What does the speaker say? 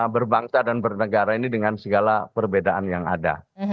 berbangsa dan bernegara ini dengan segala perbedaan yang ada